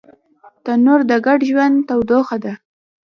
تنور د ګډ ژوند تودوخه ده